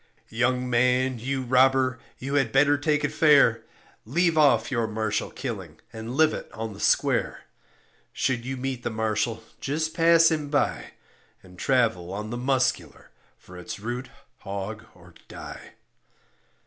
Young man, you robber, you had better take it fair, Leave off your marshal killing and live on the square; Should you meet the marshal, just pass him by; And travel on the muscular, for it's root hog or die.